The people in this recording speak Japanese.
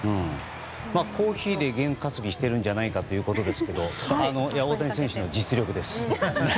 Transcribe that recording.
コーヒーで験担ぎをしてるんじゃないかということで大谷選手の実力です。